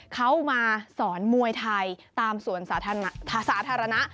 เขามาสอนมวยไทยตามสวนสาธารณะ